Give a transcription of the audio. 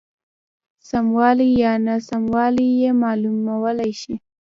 سموالی یا ناسموالی یې معلومولای شي.